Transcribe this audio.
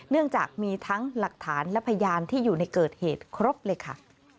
เนื่องจากมีทั้งหลักฐานและพยานที่อยู่ในเกิดเหตุครบเลยค่ะ